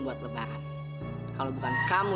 buat lebaran kalau bukan kamu